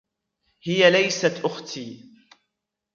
هىَ ليست أختي.